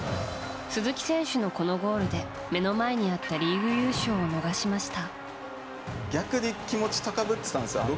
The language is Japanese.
鈴木選手のこのゴールで目の前にあったリーグ優勝を逃しました。